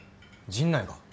陣内が？